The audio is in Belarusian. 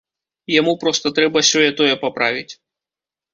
Яму проста трэба сёе-тое паправіць.